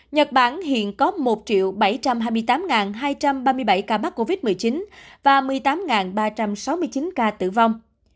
nhật bản hiện có một bảy trăm hai mươi tám hai trăm ba mươi bảy ca mắc covid một mươi chín và một mươi tám ba trăm sáu mươi chín ca tử vong